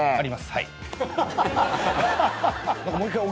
はい。